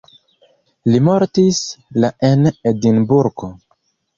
Li mortis la en Edinburgo.